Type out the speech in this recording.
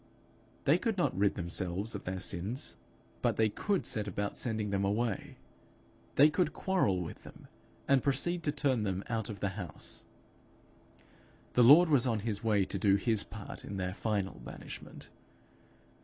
They could not rid themselves of their sins, but they could set about sending them away; they could quarrel with them, and proceed to turn them out of the house: the Lord was on his way to do his part in their final banishment.